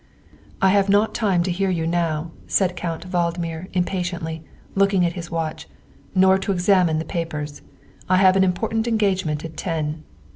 '''' I have not time to hear you now, '' said Count Vald mir impatiently, looking at his watch, " nor to ex amine the papers. I have an important engagement at ten.